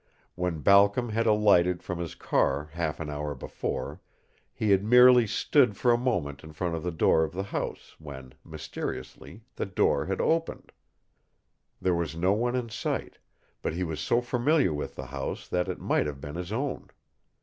When Balcom had alighted from his car half an hour before he had merely stood for a moment in front of the door of the house when, mysteriously, the door had opened. There was no one in sight. But he was so familiar with the house that it might have been his own.